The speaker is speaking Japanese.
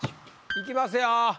いきますよ。